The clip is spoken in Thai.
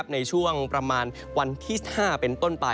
ในช่วงประมาณวันที่๕เป็นต้นไป